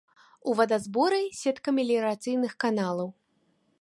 У вадазборы сетка меліярацыйных каналаў.